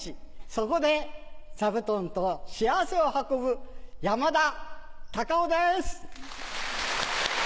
そこで座布団と幸せを運ぶ山田隆夫です。